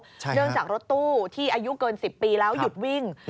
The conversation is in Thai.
เนื่องจากรถตู้ที่อายุเกิน๑๐ปีแล้วหยุดวิ่ง